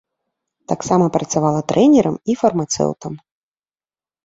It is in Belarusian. Таксама працавала трэнерам і фармацэўтам.